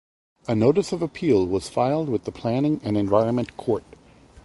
A notice of appeal was filed with the Planning and Environment Court.